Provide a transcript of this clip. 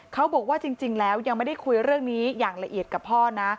เขาบอกว่าจริงแล้วยังไม่ได้คุยเรื่องนี้อย่างละเอียดกับพ่อนะ